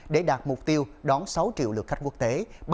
để đạt mục tiêu đón sáu triệu lượt khách quốc tế